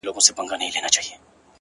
پوهېږې په جنت کي به همداسي ليونی یم؛